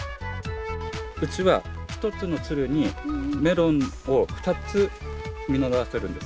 うちは１つのつるにメロンを２つ実らせるんですよ。